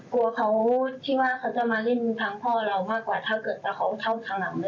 กลัวว่าเขาที่ว่าจะมารีบทั้งพ่อเรามักกว่า